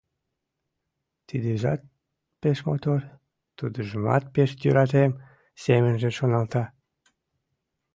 Тидыжат пеш мотор, тудыжымат пеш йӧратем», — семынже шоналта.